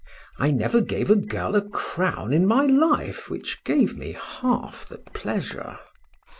I never gave a girl a crown in my life which gave me half the pleasure.